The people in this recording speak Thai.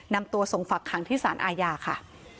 นำตัวส่งฝักขังที่สารอาญาค่ะ